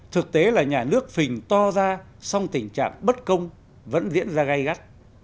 thực tế là nhà nước phình to ra song tình trạng bất công vẫn diễn ra gây gắt